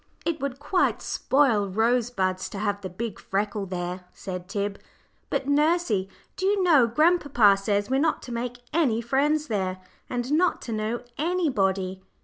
"It would quite spoil Rosebuds to have the big freckle there," said Tib. "But, nursey, do you know grandpapa says we're not to make any friends there, and not to know anybody?"